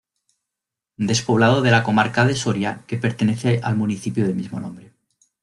Despoblado de la Comarca de Soria que pertenece al municipio del mismo nombre.